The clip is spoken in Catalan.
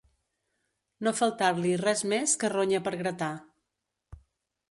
No faltar-li res més que ronya per gratar.